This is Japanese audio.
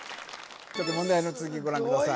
ちょっと問題の続きご覧ください